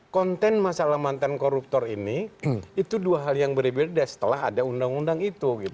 konten masalah mantan koruptor ini itu dua hal yang berbeda setelah ada undang undang itu